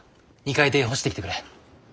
２階で干してきてくれ。